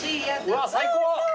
うわ最高。